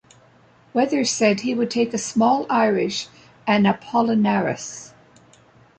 Weathers said he would take a small Irish and Apollinaris.